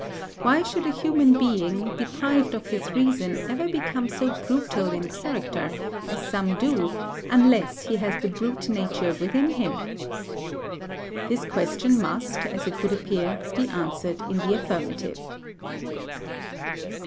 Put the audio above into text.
Why should a human being, deprived of his reason, ever become so brutal in character, as some do, unless he has the brute nature within him?" This question must, as it would appear, he answered in the affirmative.